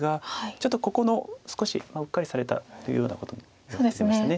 ちょっとここの「少しうっかりされた」というようなことも言われてましたね。